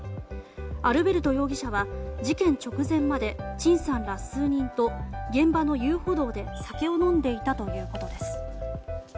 アルベルト容疑者は事件直前までチンさんら数人と現場の遊歩道で酒を飲んでいたということです。